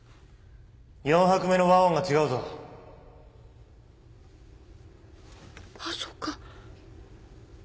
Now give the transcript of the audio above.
・４拍目の和音が違うぞあっそっか。